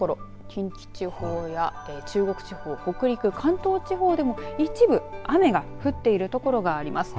近畿地方や中国地方、北陸、関東地方でも一部、雨が降っている所があります。